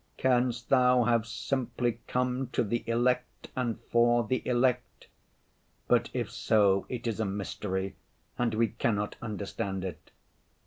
Canst Thou have simply come to the elect and for the elect? But if so, it is a mystery and we cannot understand it.